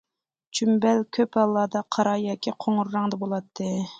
چۈمبەل كۆپ ھاللاردا قارا ياكى قوڭۇر رەڭدە بولاتتى.